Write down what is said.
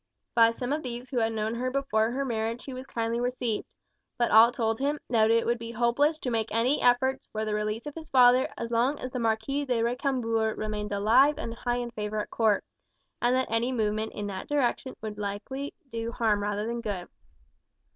By some of these who had known her before her marriage he was kindly received; but all told him that it would be hopeless to make any efforts for the release of his father as long as the Marquis de Recambours remained alive and high in favour at court, and that any movement in that direction would be likely to do harm rather than good.